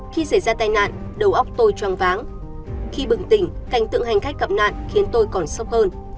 khi xảy ra tai nạn đầu óc tôi choáng váng khi bừng tỉnh cảnh tượng hành khách gặp nạn khiến tôi còn sốc hơn